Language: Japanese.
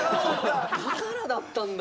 だからだったんだ。